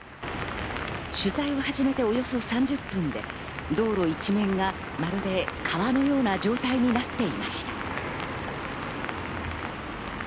取材を始めて、およそ３０分で道路一面がまるで川のような状態になっていました。